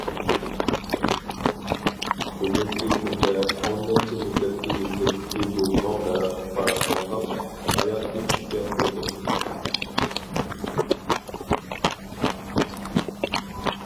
بۈگۈنكى كۈندە، ئون نەچچە مېتىر ئېگىزلىكتىكى بۇ چوڭ دەرەخ باراقسانلاپ، ھاياتىي كۈچكە تولدى.